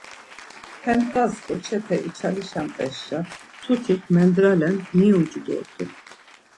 Hem ndğas ǩoçepe içalişamt̆esşa mtutik mendralen niucu dort̆un.